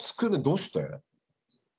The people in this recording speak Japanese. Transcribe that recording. どうして？